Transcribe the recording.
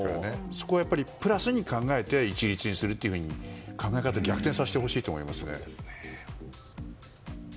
そこは、プラスに考えて一律にすると考えを逆転させてほしいと思います。